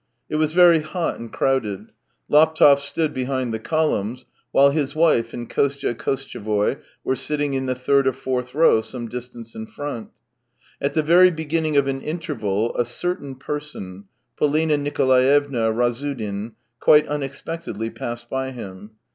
It was very hot and crowded. Laptev stood behind the columns, while his wife and Kostya Kotchevoy were sitting in the third or fourth row some dis tance in front. At the very beginning of an interval a " certain person," Polina Nikolaevna Razsudin, quite unexpectedly passed by him.